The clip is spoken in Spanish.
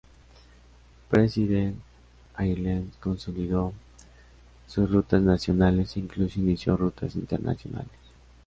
President Airlines consolidó sus rutas nacionales e incluso inició rutas internacionales.